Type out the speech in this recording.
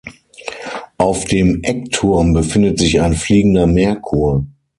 Auf dem Eckturm befindet sich ein fliegender Merkur.